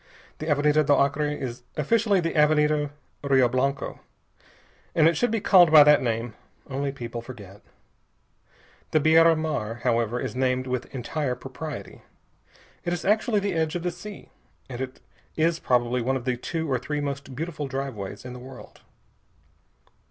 The Avenida do Acre is officially the Avenida Rio Blanco, and it should be called by that name, only people forget. The Beira Mar, however, is named with entire propriety. It is actually the edge of the sea, and it is probably one of the two or three most beautiful driveways in the world.